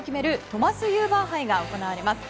トマスユーバー杯が行われます。